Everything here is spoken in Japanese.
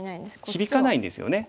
響かないんですよね。